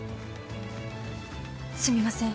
すみません。